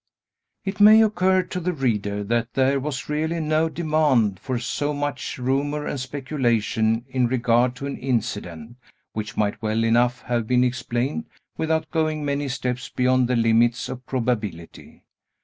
It may occur to the reader, that there was really no demand for so much rumor and speculation in regard to an incident, Which might well enough have been explained without going many steps beyond the limits of probability.